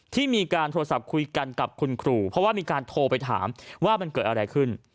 ที่มีการโทรศัพท์คุยกันกับคุณครูเพราะว่ามีการโทรไปถามว่ามันเกิดอะไรขึ้น